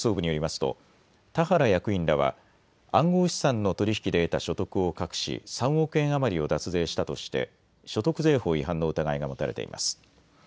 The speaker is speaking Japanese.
東京地検特捜部によりますと田原役員らは暗号資産の取り引きデータ所得を隠し３億円余りを脱税したとして所得税法違反の疑いが持たれています。